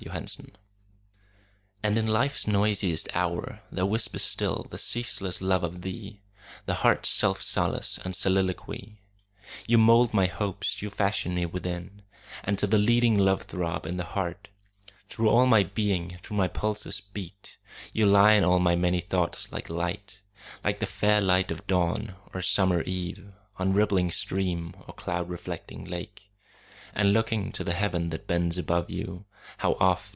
25 And in Life's noisiest hour There whispers still the ceaseless love of thee, The heart's self solace } and soliloquy. commune } 1807. Now first published from an MS. 26 You mould my Hopes you fashion me within: And to the leading love throb in the heart, Through all my being, through my pulses beat; You lie in all my many thoughts like Light, Like the fair light of Dawn, or summer Eve, On rippling stream, or cloud reflecting lake; And looking to the Heaven that bends above you, How oft!